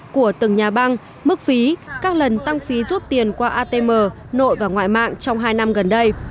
của từng nhà băng mức phí các lần tăng phí rút tiền qua atm nội và ngoại mạng trong hai năm gần đây